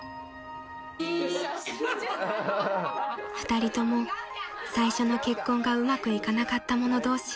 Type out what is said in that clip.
［２人とも最初の結婚がうまくいかなかった者同士］